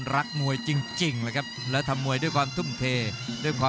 รับทราบบรรดาศักดิ์